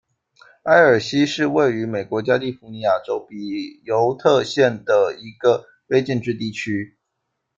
埃尔西是位于美国加利福尼亚州比尤特县的一个非建制地区。